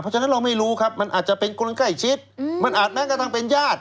เพราะฉะนั้นเราไม่รู้ครับมันอาจจะเป็นคนใกล้ชิดมันอาจแม้งกระทั่งเป็นญาติ